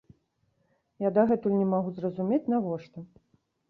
Я дагэтуль не магу зразумець, навошта.